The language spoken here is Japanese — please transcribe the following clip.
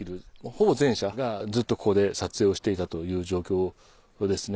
ほぼ全社がずっとここで撮影をしていたという状況ですね。